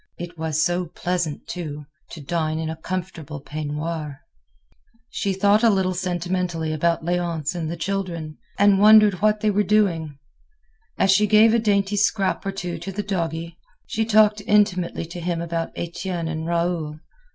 It was so pleasant, too, to dine in a comfortable peignoir. She thought a little sentimentally about Léonce and the children, and wondered what they were doing. As she gave a dainty scrap or two to the doggie, she talked intimately to him about Etienne and Raoul.